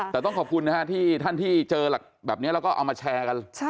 แต่ต้องขอบคุณท่านที่เจอหลักแบบนี้แล้วก็เอามาแชร์กัน